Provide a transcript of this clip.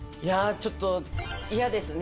ちょっと嫌ですね。